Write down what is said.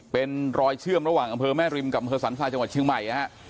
เป็นรอยเชื่อมระหว่างอำเภอแม่ริมกับอำเภอสันทรายจังหวัดเชียงใหม่นะฮะ